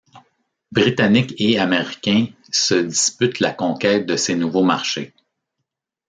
Britanniques et Américains se disputent la conquête de ces nouveaux marchés.